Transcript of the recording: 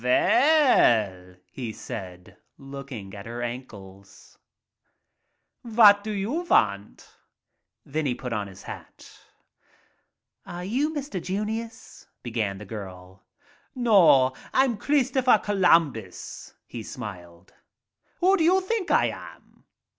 "Veil," he said, looking at her ankles. "Vat do you want?" Then he put on his hat. Are you Mr. Junius?" began the girl. No, I'm Kristopher Columbus," he smiled. Who do you think I am